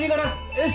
よし！